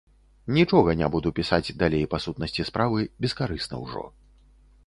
Нічога не буду пісаць далей па сутнасці справы, бескарысна ўжо.